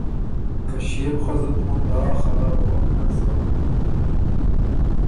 که ݭيې بو خۀ زُت مُندا خرابوک نک سېن